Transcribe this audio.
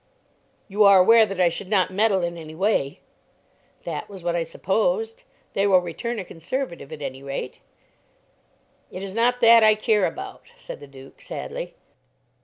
"You are aware that I should not meddle in any way." "That was what I supposed. They will return a Conservative at any rate." "It is not that I care about," said the Duke sadly.